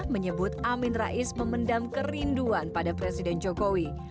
menyebut amin rais memendam kerinduan pada presiden jokowi